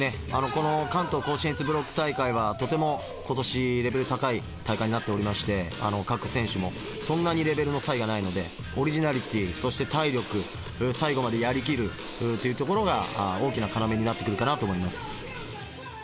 この関東甲信越ブロック大会はとても今年レベル高い大会になっておりまして各選手もそんなにレベルの差異がないのでオリジナリティーそして体力最後までやりきるっていうところが大きな要になってくるかなと思います。